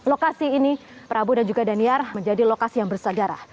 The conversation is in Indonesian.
lokasi ini prabu dan juga daniar menjadi lokasi yang bersaudara